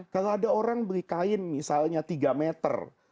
kalau ada orang beli kain misalnya tiga meter